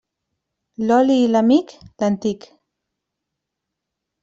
L'oli i l'amic, l'antic.